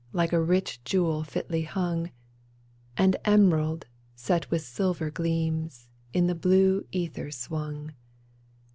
Like a rich jewel fitly hung — An emerald set with silver gleams — In the blue ether swung.